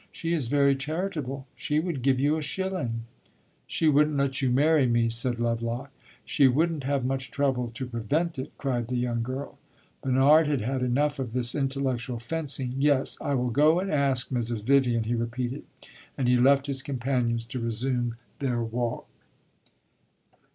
She is very charitable she would give you a shilling!" "She would n't let you marry me," said Lovelock. "She would n't have much trouble to prevent it!" cried the young girl. Bernard had had enough of this intellectual fencing. "Yes, I will go and ask Mrs. Vivian," he repeated. And he left his companions to resume their walk.